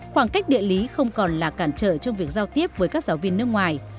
khoảng cách địa lý không còn là cản trợ trong việc giao tiếp với các giáo viên nước ngoài